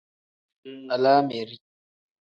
Alaameri.